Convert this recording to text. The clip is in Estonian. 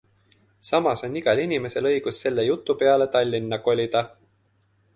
Samas on igal inimesel õigus selle jutu peale Tallinna kolida.